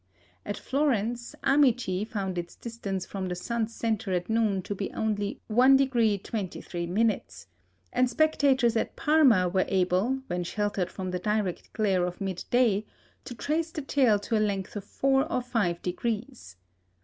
At Florence, Amici found its distance from the sun's centre at noon to be only 1° 23'; and spectators at Parma were able, when sheltered from the direct glare of mid day, to trace the tail to a length of four or five degrees.